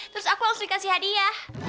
terus aku harus dikasih hadiah